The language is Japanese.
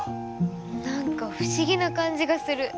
何か不思議な感じがする。